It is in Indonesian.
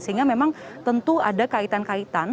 sehingga memang tentu ada kaitan kaitan